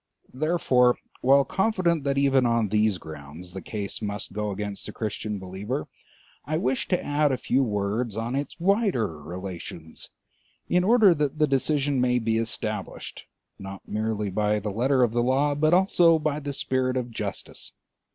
Therefore, while confident that even on these grounds the case must go against the Christian believer, I wish to add a few words on its wider relations, in order that the decision may be established, not merely by the letter of the law, but also by the spirit of justice.